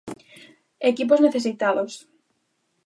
Equipos necesitados.